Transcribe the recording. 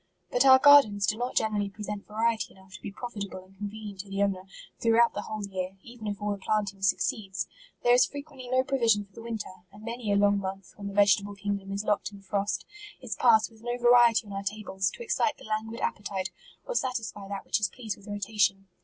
" But our gardens do not generally pre sent variety enough to be profitable and con venient to the owner, throughout the whole year, even if all the planting succeeds. There MARCH* SI is frequently no provision for the winter, and many a long month, when the vegetable king dom is locked in frost, is passed with no va riety on our tables, to excite the languid ap petite, or satisfy that which is pleased with rotation.